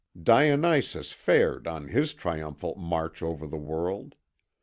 "Dionysus fared on his triumphal march over the world.